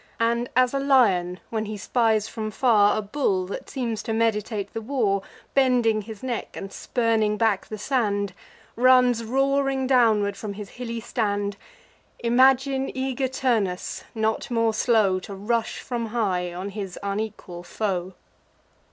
And, as a lion—when he spies from far A bull that seems to meditate the war, Bending his neck, and spurning back the sand— Runs roaring downward from his hilly stand: Imagine eager Turnus not more slow, To rush from high on his unequal foe.